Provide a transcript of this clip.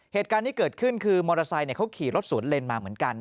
เหตุการณ์ที่เกิดขึ้นคือมอเตอร์ไซค์เขาขี่รถสวนเลนมาเหมือนกัน